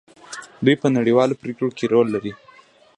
دوی په نړیوالو پریکړو کې رول لري.